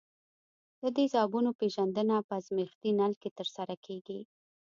د تیزابونو پیژندنه په ازمیښتي نل کې ترسره کیږي.